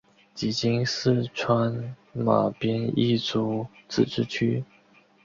即今四川马边彝族自治县。